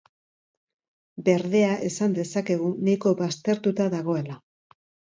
Berdea esan dezakegu nahiko baztertuta dagoela.